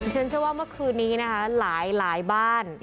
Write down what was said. เชื่อว่าเมื่อคืนนี้นะคะหลายบ้าน